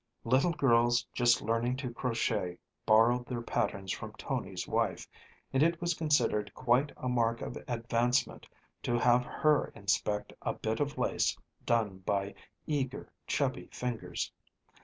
Little girls just learning to crochet borrowed their patterns from Tony's wife, and it was considered quite a mark of advancement to have her inspect a bit of lace done by eager, chubby fingers.